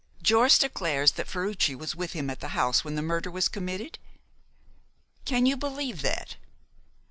"Jorce declares that Ferruci was with him at the house when the murder was committed?" "Can you believe that?